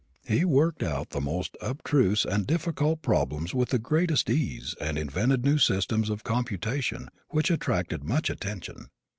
He worked out the most abstruse and difficult problems with the greatest ease and invented new systems of computation which attracted much attention.